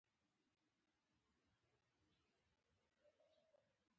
ښه تیاره وه.